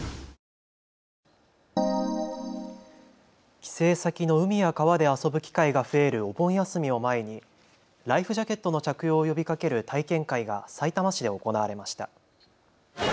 帰省先の海や川で遊ぶ機会が増えるお盆休みを前にライフジャケットの着用を呼びかける体験会がさいたま市で行われました。